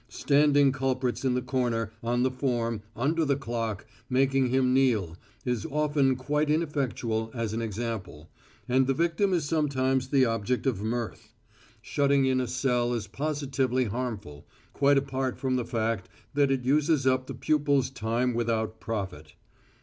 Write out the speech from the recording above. Standing culprits in the corner, on the form, under the clock, making them kneel, is often quite ineffectual as an example, and the victim is sometimes the object of mirth. Shutting in a cell is positively harmful, quite apart from the fact that it uses up the pupil's time without profit.